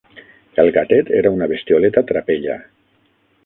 El gatet era una bestioleta trapella.